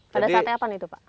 pada saatnya apa nih pak